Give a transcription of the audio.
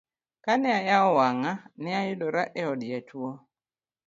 Ka ne ayawo wang'a, ne ayudora e od jotuo.